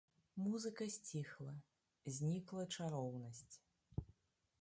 Музыка сціхла, знікла чароўнасць.